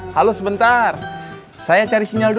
halo sebentar saya cari sinyal dulu